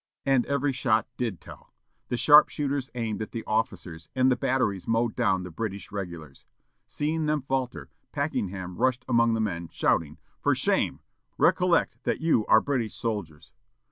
And every shot did tell. The sharpshooters aimed at the officers, and the batteries mowed down the British regulars. Seeing them falter, Packenham rushed among the men, shouting, "For shame! recollect that you are British soldiers!"